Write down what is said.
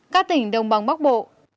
các tỉnh đồng bằng bắc bộ